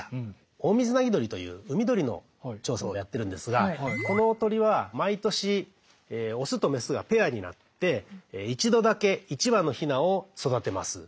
オオミズナギドリという海鳥の調査をやってるんですがこの鳥は毎年オスとメスがペアになって一度だけ１羽のヒナを育てます。